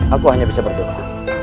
aku hanya bisa berdoa